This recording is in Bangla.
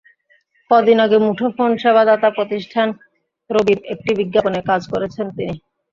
কদিন আগে মুঠোফোন সেবাদাতা প্রতিষ্ঠান রবির একটি বিজ্ঞাপনে কাজ করেছেন তিনি।